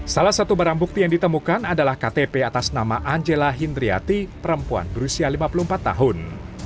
salah satu barang bukti yang ditemukan adalah ktp atas nama angela hindriati perempuan berusia lima puluh empat tahun